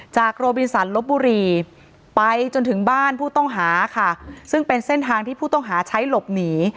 โรบินสันลบบุรีไปจนถึงบ้านผู้ต้องหาค่ะซึ่งเป็นเส้นทางที่ผู้ต้องหาใช้หลบหนี